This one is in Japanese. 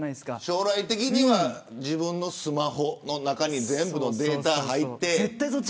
将来的には自分のスマホの中に全部のデータが入って。